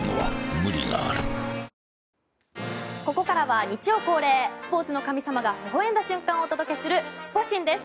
ここからは日曜恒例スポーツの神様がほほ笑んだ瞬間をお届けするスポ神です。